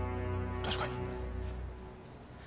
確かに。